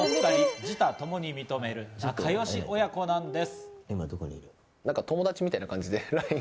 自他ともに認める仲良し親子なんです。